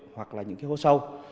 hoặc là những cái hố sâu